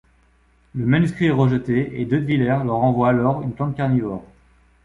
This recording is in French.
Le manuscrit est rejeté et Detweiller leur envoie alors une plante carnivore.